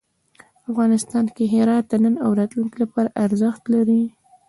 افغانستان کې هرات د نن او راتلونکي لپاره ارزښت لري.